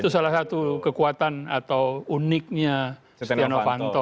itu salah satu kekuatan atau uniknya setianowanto